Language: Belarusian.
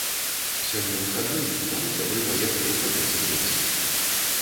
Сёння выхадны, таму сябры паехалі у хатынскі лес.